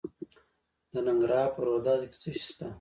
د ننګرهار په روداتو کې څه شی شته؟